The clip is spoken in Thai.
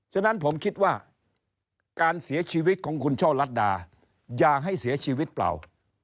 ฉะนั้นผมคิดว่าการเสียชีวิตของคุณช่อลัดดาอย่าให้เสียชีวิตเปล่า